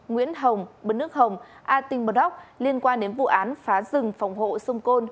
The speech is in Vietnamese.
nguyễn hồng bấn nước hồng a tinh bật hóc liên quan đến vụ án phá rừng phòng hộ sông côn